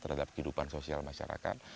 terhadap kehidupan sosial masyarakat